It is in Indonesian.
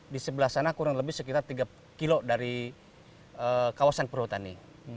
di sebelah sana kurang lebih sekitar tiga kilo dari kawasan perhutani